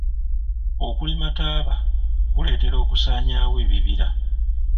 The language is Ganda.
Okulima taaba kuleetera okusanyaawo ebibira.